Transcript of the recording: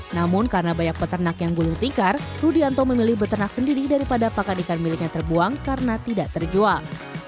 namun karena banyak peternak yang gulung tikar rudianto memilih beternak sendiri daripada pakan ikan miliknya terbuang karena tidak terjual